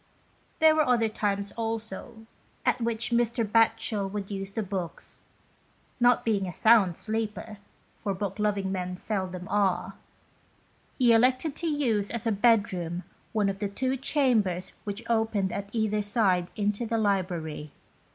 There were other times also, at which Mr, Batchel would use the books. Not being a sound sleeper (for book loving men seldom are), he elected to use as a bedroom one of the two chambers which opened at either side into the 21 OHOST TALES. library.